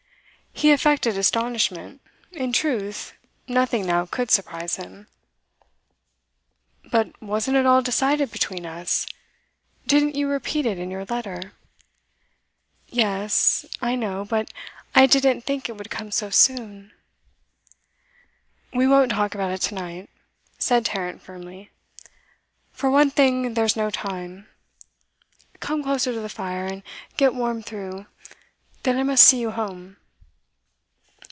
He affected astonishment; in truth, nothing now could surprise him. 'But wasn't it all decided between us? Didn't you repeat it in your letter?' 'Yes I know but I didn't think it would come so soon.' 'We won't talk about it to night,' said Tarrant firmly. 'For one thing, there's no time. Come closer to the fire, and get warm through; then I must see you home.